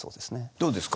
どうですか？